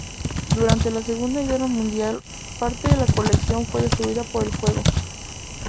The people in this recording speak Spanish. Durante la Segunda Guerra Mundial, parte de la colección fue destruida por el fuego.